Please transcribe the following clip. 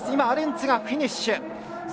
アレンツがフィニッシュ。